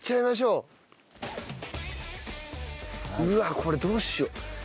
うわっこれどうしよう？